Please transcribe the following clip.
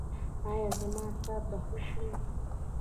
ایا زما اعصاب به ښه شي؟